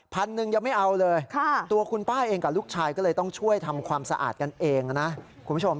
พันหนึ่งยังไม่เอาเลยตัวคุณป้าเองกับลูกชายก็เลยต้องช่วยทำความสะอาดกันเองนะคุณผู้ชม